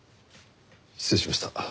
失礼しました。